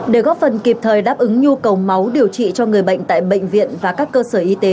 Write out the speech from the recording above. để góp phần kịp thời đáp ứng nhu cầu máu điều trị cho người bệnh tại bệnh viện và các cơ sở y tế